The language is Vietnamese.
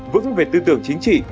vững về tư tưởng chính trị